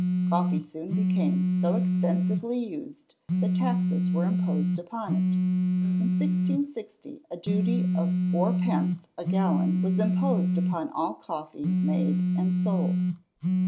Coffee soon became so extensively used that taxes were imposed upon it. In 1660 a duty of 4d. a gallon was imposed upon all coffee made and sold.